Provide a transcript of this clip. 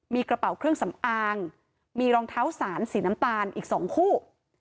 มีกระเป๋าเครื่องสำอางมีรองเท้าสารสีน้ำตาลอีก๒คู่